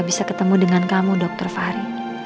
bisa ketemu dengan kamu dokter fahri